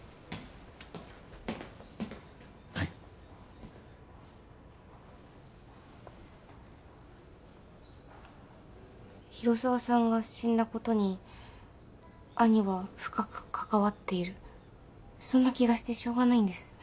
はい広沢さんが死んだことに兄は深く関わっているそんな気がしてしょうがないんです